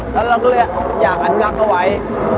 แล้วเราก็เลือกอยากอันดับเอาไว้